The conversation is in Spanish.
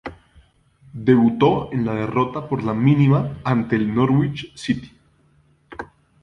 Debutó en la derrota por la mínima ante el Norwich City.